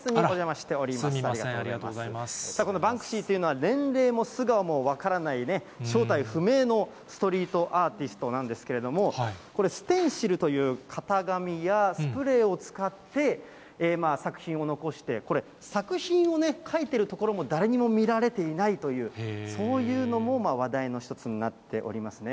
すみません、ありがとうござさあ、このバンクシーっていうのは、年齢も素顔も分からないね、正体不明のストリートアーティストなんですけれども、これ、ステンシルという型紙やスプレーを使って作品を残して、これ、作品を描いてるところも誰にも見られていないという、そういうのも話題の一つになっておりますね。